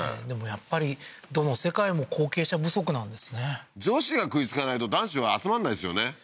でもやっぱりどの世界も後継者不足なんですね女子が食いつかないと男子は集まんないですよね